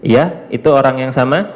ya itu orang yang sama